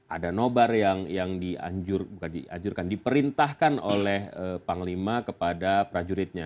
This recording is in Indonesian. ada nobar yang diajurkan diperintahkan oleh panglima kepada prajuritnya